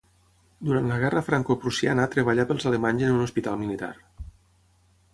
Durant la Guerra francoprussiana treballà pels alemanys en un hospital militar.